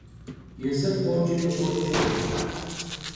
Yêzır khoç'ri khoç'.